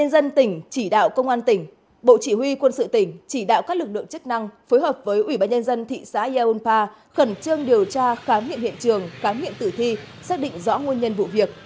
ubnd tỉnh chỉ đạo công an tỉnh bộ chỉ huy quân sự tỉnh chỉ đạo các lực lượng chức năng phối hợp với ubnd thị xã ia unpa khẩn trương điều tra khám nghiệm hiện trường khám nghiệm tử thi xác định rõ nguồn nhân vụ việc